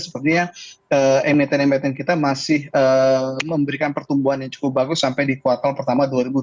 sepertinya emiten emiten kita masih memberikan pertumbuhan yang cukup bagus sampai di kuartal pertama dua ribu dua puluh